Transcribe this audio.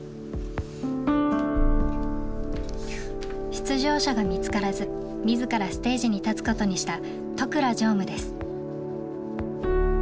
出場者が見つからず自らステージに立つことにした都倉常務です。